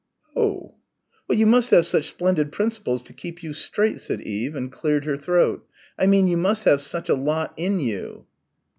"Oh." "You must have such splendid principles to keep you straight," said Eve, and cleared her throat, "I mean, you must have such a lot in you."